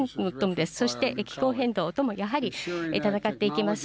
そして、気候変動ともやはりたたかっていきます。